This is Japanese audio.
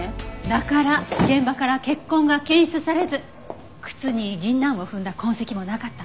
だから現場から血痕が検出されず靴に銀杏を踏んだ痕跡もなかったんだわ。